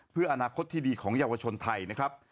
เพื่ออนาคตที่ดีของเยาวชนไทยนะครับ